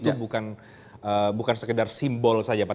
itu bukan sekedar simbol saja pak